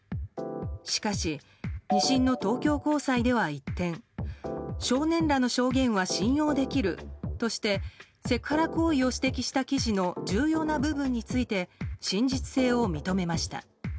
しかし、２審の東京高裁では一転少年らの証言は信用できるとしてセクハラ行為を指摘した記事の重要な部分について真実性を認めました。